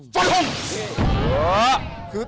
จนพรุ่ง